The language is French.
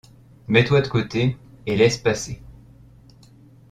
Mets-toi de côté, et laisse passer.